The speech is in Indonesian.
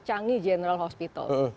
changi general hospital